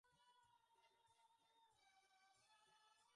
অবসর পেলে সাগর পাড়ে ঘুরে বেড়াতে সবচেয়ে বেশি পছন্দ করি আমি।